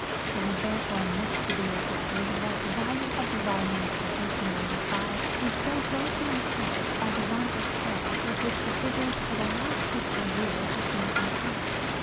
It is there fore much to be regretted that the value of tlie volumes for 1S!)5 is so greatly impaired by the want of care with which the figures for the last fi.scal year have been conq)iled.